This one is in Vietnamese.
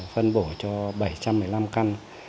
phân bổ cho bảy trăm một mươi năm căn